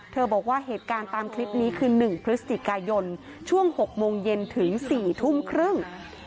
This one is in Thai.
บอกว่าเหตุการณ์ตามคลิปนี้คือ๑พฤศจิกายนช่วง๖โมงเย็นถึง๔ทุ่มครึ่ง